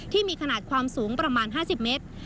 ที่มีขนาดความสูงประมาณ๕๐เมตร